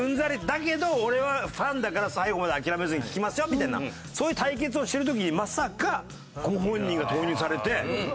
だけど俺はファンだから最後まで諦めずに聴きますよみたいなそういう対決をしている時にまさかご本人が投入されてあんななって。